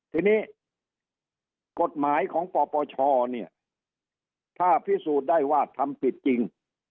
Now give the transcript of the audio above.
ทีนี้กฎหมายของปปชเนี่ยถ้าพิสูจน์ได้ว่าทำผิดจริง